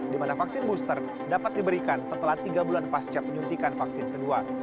di mana vaksin booster dapat diberikan setelah tiga bulan pasca penyuntikan vaksin kedua